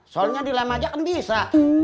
sholnya di lem aja kan bisa